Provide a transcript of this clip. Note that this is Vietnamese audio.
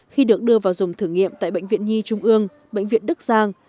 khi được đưa vào dùng thử nghiệm tại bệnh viện nhi trung ương bệnh viện đức giang